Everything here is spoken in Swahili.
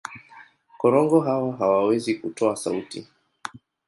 Korongo hawa hawawezi kutoa sauti.